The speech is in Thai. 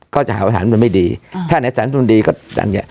ก็จะหาว่าสารมนตรัสสินไม่ดีถ้าสารมนตรัสสินดีก็อย่างนี้